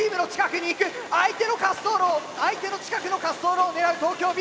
相手の滑走路を相手の近くの滑走路を狙う東京Ｂ。